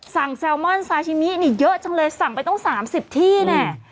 แซลมอนซาชิมินี่เยอะจังเลยสั่งไปต้อง๓๐ที่แน่